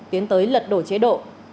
tiến tới lật đổ chế đội